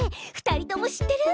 ２人とも知ってる？